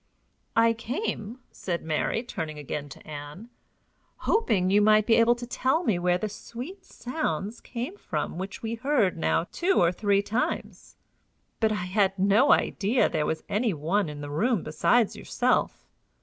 "I came," said Mary, turning again to Ann, "hoping you might be able to tell me where the sweet sounds came from which we have heard now two or three times; but I had no idea there was any one in the room besides yourself.